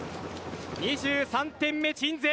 ２３点目、鎮西。